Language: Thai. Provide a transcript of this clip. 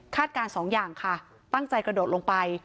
การสองอย่างค่ะตั้งใจกระโดดลงไป